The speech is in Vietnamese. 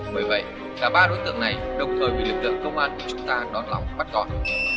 bởi vậy cả ba đối tượng này đồng thời bị lực lượng công an của chúng ta đón lòng bắt gọn